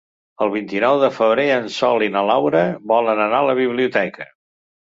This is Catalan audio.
El vint-i-nou de febrer en Sol i na Lara volen anar a la biblioteca.